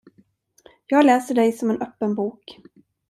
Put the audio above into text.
Jag läser dig som en öppen bok.